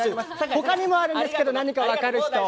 他にもあるんですけど分かる人？